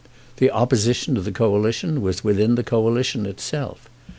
The opposition to the Coalition was within the Coalition itself.